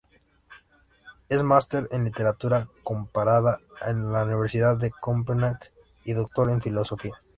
Es Máster en Literatura comparada por la Universidad de Copenhague y Doctor en Filosofía.